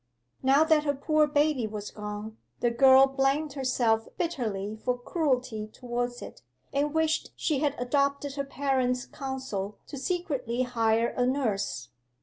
'Now that her poor baby was gone, the girl blamed herself bitterly for cruelty towards it, and wished she had adopted her parents' counsel to secretly hire a nurse.